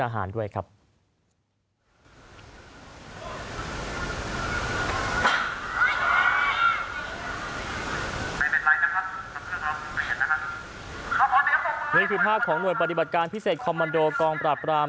หน่วยที่๕ของนวลปฏิบัติการพิเศษคอมมันโดกองประกราบ